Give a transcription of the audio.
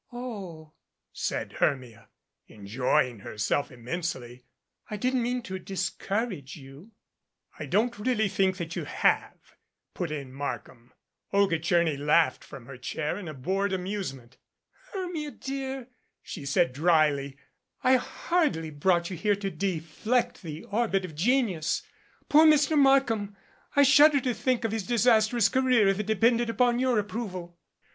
"Oh," said Hermia, enjoying herself immensely. "I didn't mean to discourage you." "I don't really think that you have," put in Mark ham. Olga Tcherny laughed from her chair in a bored amusement. "Hermia, dear," she said dryly, "I hardly brought you here to deflect the orbit of genius. Poor Mr. Markham! I shudder to think of his disastrous career if it depended upon your approval."